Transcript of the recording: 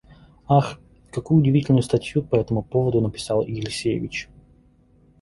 Ах, какую удивительную статью по этому поводу написал Елисевич!